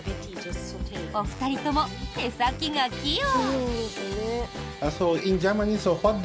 お二人とも手先が器用。